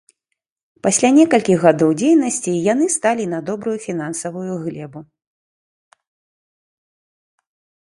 Пасля некалькіх гадоў дзейнасці яны сталі на добрую фінансавую глебу.